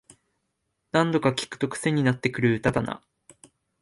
何度か聴くとクセになってくる歌だな